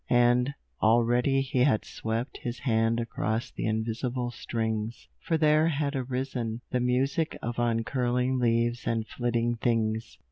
And already he had swept his hand across the invisible strings, for there had arisen, the music of uncurling leaves and flitting things.